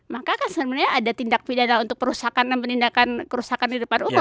maka kan sebenarnya ada tindak pidana untuk perusakan dan penindakan kerusakan di depan umum